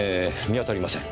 見当たりません。